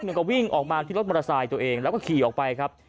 ก็วิ่งออกมาที่รถมอเตอร์ไซค์ตัวเองแล้วก็ขี่ออกไปครับ